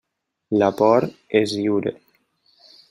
La por és lliure.